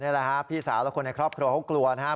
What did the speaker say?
นี่แหละฮะพี่สาวและคนในครอบครัวเขากลัวนะครับ